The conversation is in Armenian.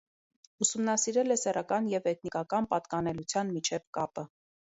Ուսումնասիրել է սեռական և էթնիկական պատկանելության միջև կապը։